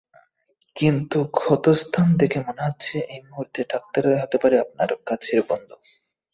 কিন্তু, ক্ষতস্থান দেখে মনে হচ্ছে এই মুহূর্তে ডাক্তাররাই হতে পারে আপনার কাছের বন্ধু!